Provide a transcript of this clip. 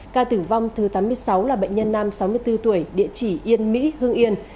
ca tử vong thứ tám mươi sáu là bệnh nhân nam sáu mươi bốn tuổi địa chỉ yên mỹ hương yên